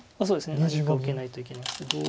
そうですね何か受けないといけません。